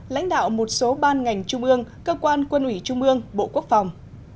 lãnh đạo một số ban ngành trung ương cơ quan quân ủy trung ương bộ quốc phòng